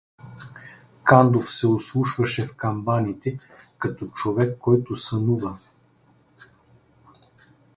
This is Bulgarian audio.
Кандов се ослушваше в камбаните, като човек, който сънува.